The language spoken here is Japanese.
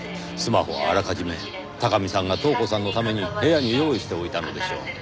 スマホはあらかじめ貴巳さんが瞳子さんのために部屋に用意しておいたのでしょう。